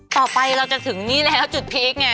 ต่อไปเราจะถึงนี่แล้วจุดพีคไง